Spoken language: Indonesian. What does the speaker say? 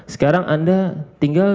sekarang anda tinggal